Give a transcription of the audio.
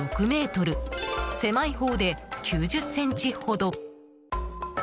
狭いほうで９０ｃｍほど。